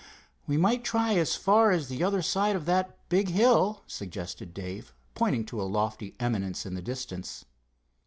"We might try as far as the other side of that big hill," suggested Dave, pointing to a lofty eminence in the distance.